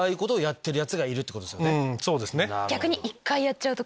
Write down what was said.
そうですね。